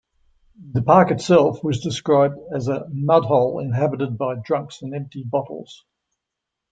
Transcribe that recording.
The park itself was described as a "mudhole inhabited by drunks and empty bottles".